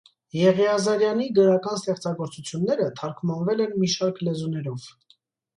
Եղիազարյանի գրական ստեղծագործությունները թարգմանվել են մի շարք լեզուներով։